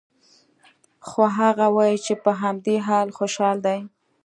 خو هغه وايي چې په همدې حال خوشحال دی